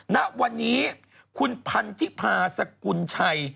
ณวันนี้คุณพันธิพาสกุลชัย